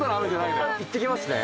いってきますね。